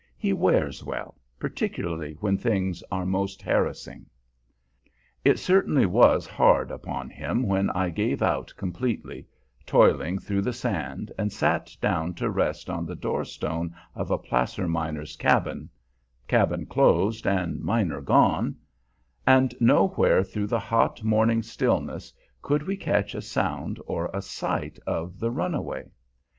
He wears well, particularly when things are most harassing. It certainly was hard upon him when I gave out completely, toiling through the sand, and sat down to rest on the door stone of a placer miner's cabin (cabin closed and miner gone), and nowhere through the hot, morning stillness could we catch a sound or a sight of the runaway.